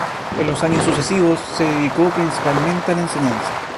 En los años sucesivos, se dedicó principalmente a la enseñanza.